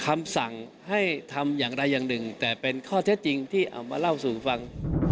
คำสั่งให้ทำอย่างไรอย่างหนึ่งแต่เป็นข้อเท็จจริงที่เอามาเล่าสู่ฟัง